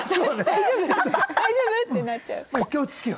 大丈夫？ってなっちゃう。